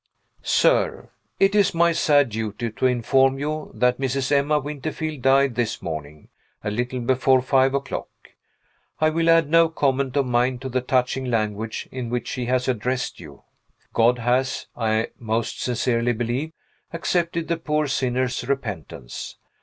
Sir It is my sad duty to inform you that Mrs. Emma Winterfield died this morning, a little before five o'clock. I will add no comment of mine to the touching language in which she has addressed you. God has, I most sincerely believe, accepted the poor sinner's repentance.